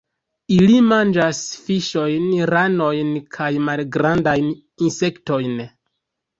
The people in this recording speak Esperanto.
Ili manĝas fiŝojn, ranojn kaj malgrandajn insektojn.